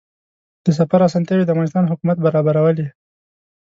د سفر اسانتیاوې د افغانستان حکومت برابرولې.